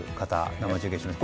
生中継しました。